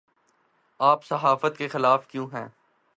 آپ صحافت کے خلاف کیوں ہیں